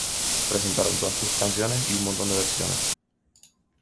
Presentaron todas sus canciones y un montón de versiones.